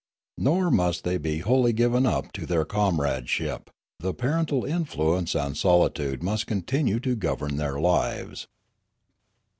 Nor must they be wholly given up to their comradeship; the parental influence and solitude must continue to govern their lives.